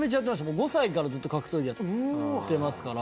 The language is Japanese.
５歳からずっと格闘技やっていましたから。